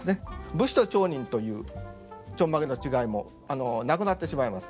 武士と町人というちょんまげの違いもなくなってしまいます。